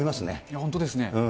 本当ですね。